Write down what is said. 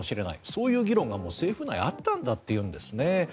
そういう議論がもう政府内にあったんだというんですね。